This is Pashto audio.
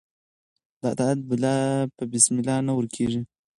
د عادت بلا په بسم الله نه ورکیږي.